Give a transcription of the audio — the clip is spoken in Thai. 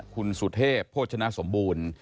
คุณสุเทพโภชนะสมบูรณ์